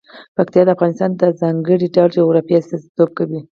پکتیکا د افغانستان د ځانګړي ډول جغرافیه استازیتوب کوي.